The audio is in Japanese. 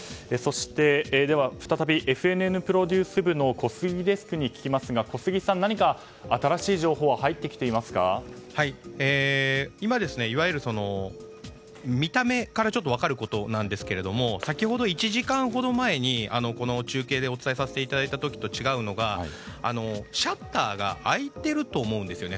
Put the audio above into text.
再び、ＦＮＮプロデュース部の小杉デスクに聞きますが小杉さん、何か新しい情報は今、いわゆる見た目から分かることなんですが先ほど１時間ほど前に中継でお伝えさせていただいた時と違うのがシャッターが開いていると思うんですよね。